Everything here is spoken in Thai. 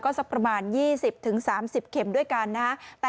สักประมาณ๒๐๓๐เข็มด้วยกันนะฮะ